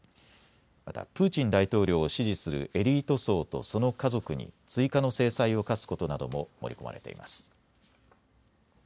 またプーチン大統領を支持するエリート層とその家族に追加の制裁を科すことなども盛り込まれています。